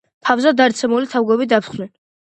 თავზარდაცემული თაგვები დაფრთხნენ.